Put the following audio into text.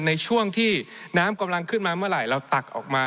ในช่วงที่น้ำกำลังขึ้นมาเมื่อไหร่เราตักออกมา